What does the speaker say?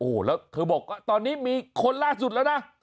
โอ้โหแล้วเธอบอกว่าตอนนี้มีคนล่าสุดแล้วนะ